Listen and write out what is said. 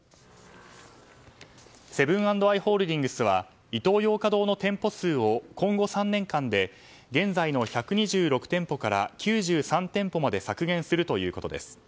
セブン＆アイ・ホールディングスはイトーヨーカ堂の店舗数を今後３年間で現在の１２６店舗から９３店舗まで削減するということです。